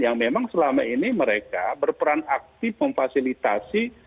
yang memang selama ini mereka berperan aktif memfasilitasi